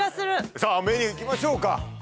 さあメニューいきましょうか。